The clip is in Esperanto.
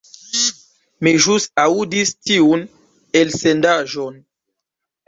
Mi ĵus aŭdis tiun elsendaĵon.